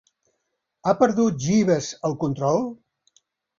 Ha perdut Jeeves el control?